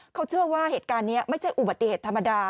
เขาเชื่อว่าเหตุการณ์นี้ไม่ใช่อุบัติเหตุธรรมดา